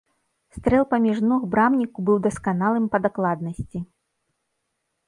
Стрэл паміж ног брамніку быў дасканалым па дакладнасці.